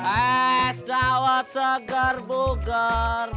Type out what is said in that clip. es dawat segar bugar